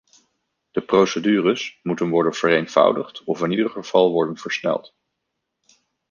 De procedures moeten worden vereenvoudigd of in ieder geval worden versneld.